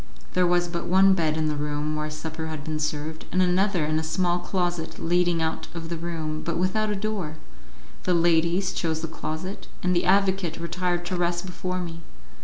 There was but one bed in the room where supper had been served, and another in a small closet leading out of the room, but without a door. The ladies chose the closet, and the advocate retired to rest before me.